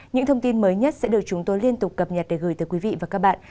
những thông tin mới nhất sẽ được chúng tôi liên tục cập nhật để gửi tới quý vị và các bạn